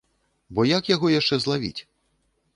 Бо як яго яшчэ злавіць?